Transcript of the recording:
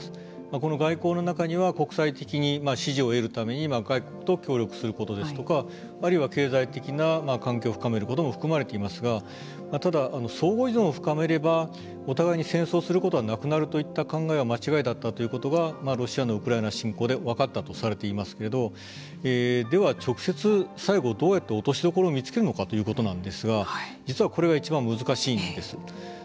この外交の中では国際的に支持を得るために外国と協力することですとかあるいは経済的な関係を深めることも含まれていますがただ、相互依存を深めれば間違いだったということはロシアのウクライナ侵攻で分かったとされていますけどでは、直接どうやって落としどころを見つけるかというところなんですが実はこれがいちばん難しいんです。